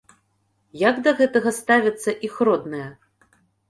Як да гэта ставяцца іх родныя?